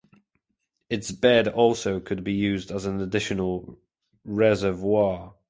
Its bed also could be used as an additional reservoir.